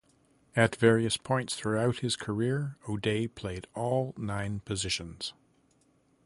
At various points throughout his career, O'Day played all nine positions.